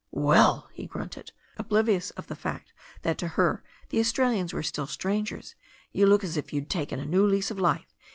"Well/' he grunted, oblivious of the fact that to her the Australians were still strangers, "you look as if you'd taken a new lease of life.